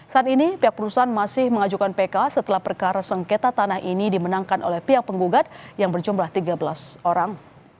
saat ini pihak perusahaan masih mengajukan pk setelah perkara sengketa tanah ini dimenangkan oleh pihak penggugat yang berjumlah tiga belas orang